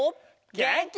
げんき！